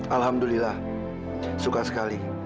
alhamdulillah suka sekali